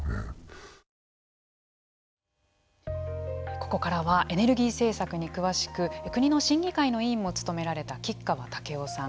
ここからはエネルギー政策に詳しく国の審議会の委員も務められた橘川武郎さん。